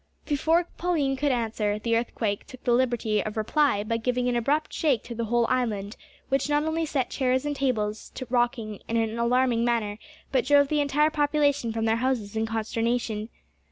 Before Pauline could answer, the earthquake took the liberty of reply by giving an abrupt shake to the whole island, which not only set chairs and tables rocking in an alarming manner, but drove the entire population from their houses in consternation.